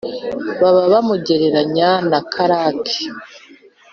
baba bamugereranya na karake